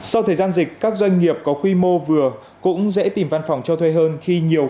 sau thời gian dịch các doanh nghiệp có quy mô vừa cũng dễ tìm văn phòng cho thuê hơn khi nhiều